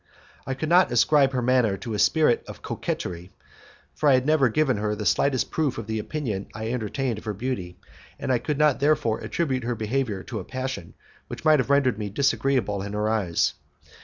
I could not ascribe her manner to a spirit of coquetry, for I had never given her the slightest proof of the opinion I entertained of her beauty, and I could not therefore attribute her behaviour to a passion which might have rendered me disagreeable in her eyes; M.